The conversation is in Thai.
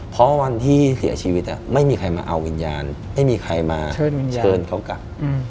เพราะวันที่เสียชีวิตไม่มีใครมาเอาวิญญาณไม่มีใครมาเชิญเขากลับ